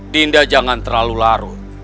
dinda jangan terlalu larut